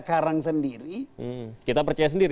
karang sendiri kita percaya sendiri